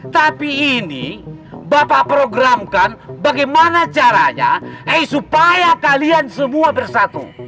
tapi ini bapak programkan bagaimana caranya eh supaya kalian semua bersatu